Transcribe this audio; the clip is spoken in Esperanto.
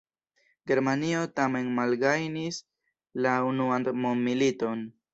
Germanio tamen malgajnis la Unuan mondmiliton.